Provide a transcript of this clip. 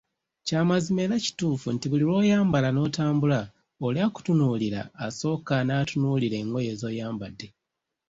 Kya mazima era kituufu nti buli lw‘oyambala n‘otambula, oli akutunuulira, asooka n‘atunuulira engoye z‘oyambadde